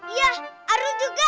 iya aru juga